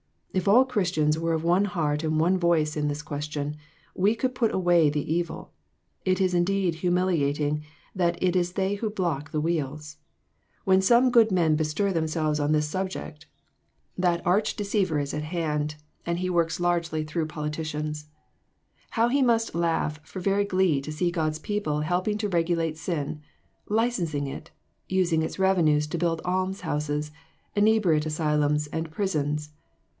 If all Christians were of one heart and one voice on this question, we could put away the evil. It is indeed humilia ting that it is they who block the wheels. When some good men bestir themselves on this subject, A MODERN MARTYR. 3/7 that arch deceiver is at hand ; and he works largely through politicians. How he must laugh for very glee to see God's people helping to regulate sin, licensing it, using its revenues to build almshouses, inebriate asylums and prisons.